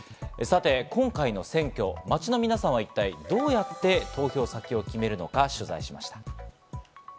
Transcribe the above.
今回の選挙、街の皆さんは一体どうやって投票先を決めるのか取材